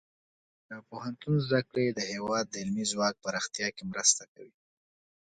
د پوهنتون زده کړې د هیواد د علمي ځواک پراختیا کې مرسته کوي.